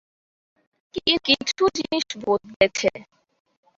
কিন্তু কিছু জিনিস বদলেছে।